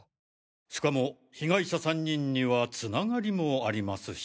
しかも被害者３人にはつながりもありますし。